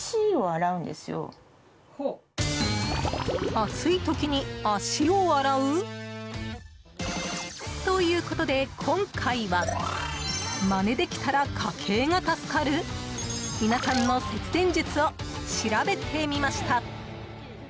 暑い時に足を洗う？ということで今回はまねできたら家計が助かる皆さんの節電術を調べてみました。